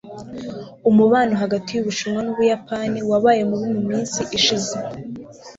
umubano hagati yubushinwa n'ubuyapani wabaye mubi mu minsi ishize